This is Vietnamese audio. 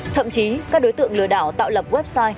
thậm chí các đối tượng lừa đảo tạo lập website